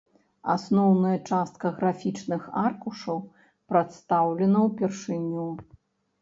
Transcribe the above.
Асноўная частка графічных аркушаў прадстаўлена ўпершыню.